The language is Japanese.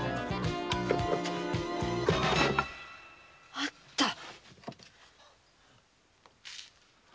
あったわ。